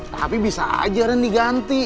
tapi bisa aja ren diganti